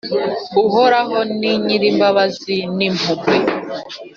Uhoraho ni Nyir’imbabazi n’impuhwe,